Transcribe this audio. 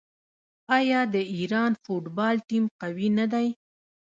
آیا د ایران فوټبال ټیم قوي نه دی؟